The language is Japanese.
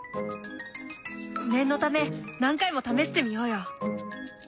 念のため何回も試してみようよ。